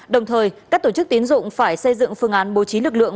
đồng thời các tổ chức tiến dụng phải xây dựng phương án bố trí lực lượng